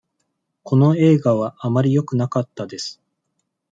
この映画はあまりよくなかったです。